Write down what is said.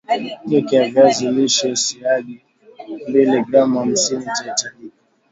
keki ya viazi lishe siagi mbili gram hamsini itahitajika